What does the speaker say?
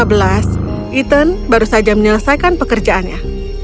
ethan baru saja menyelesaikan pekerjaannya